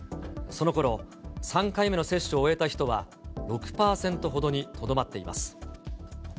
そのころ、３回目の接種を終えた人は６％ほどにとどまっています。